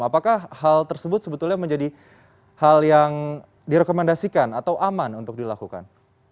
apakah hal tersebut sebetulnya menjadi hal yang direkomendasikan atau aman untuk dilakukan